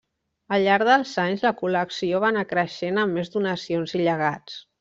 Al llarg dels anys, la col·lecció va anar creixent amb més donacions i llegats.